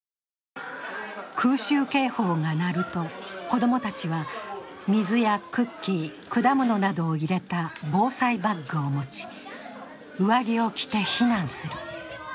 空襲警報が鳴ると子供たちが水やクッキー果物などを入れた防災バッグを持ち、上着を着て避難する。